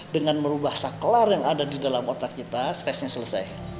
dengan merubah saklar yang ada di dalam otak kita stresnya selesai